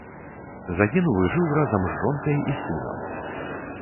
Загінулы жыў разам з жонкай і сынам.